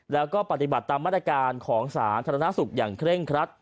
แล้วก็ปฏิบัติตามมาตรการของสาธารณสุขอย่างเคร่งครัด